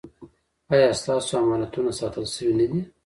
ایا ستاسو امانتونه ساتل شوي نه دي؟